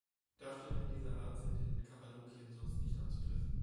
Darstellungen dieser Art sind in Kappadokien sonst nicht anzutreffen.